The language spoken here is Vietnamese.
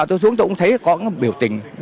tôi xuống tôi cũng thấy có biểu tình